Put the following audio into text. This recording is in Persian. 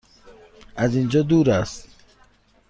از اینجا دور است؟